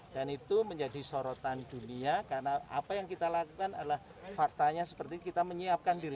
dan itu menjadi sorotan dunia karena apa yang kita lakukan adalah faktanya seperti kita menyiapkan diri